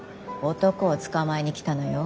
男を捕まえに来たのよ。